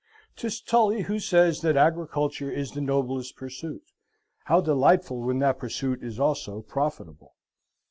'Tis Tully who says that agriculture is the noblest pursuit; how delightful when that pursuit is also prophetable!